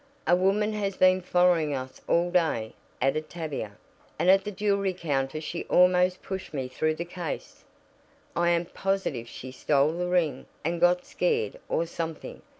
"A woman has been following us all day," added Tavia, "and at the jewelry counter she almost pushed me through the case. I am positive she stole the ring, and got scared, or something.